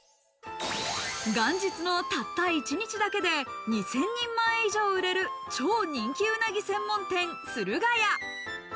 元日のたった一日だけで２０００人前以上売れる、超人気うなぎ専門店、駿河屋。